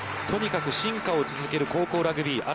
とにかく進化を続ける高校ラグビー。